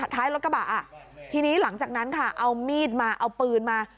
ท้ายรถกระบะอ่ะทีนี้หลังจากนั้นค่ะเอามีดมาเอาปืนมา